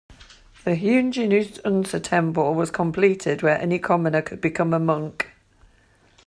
The Heungnyunsa temple was completed where any commoner could become a monk.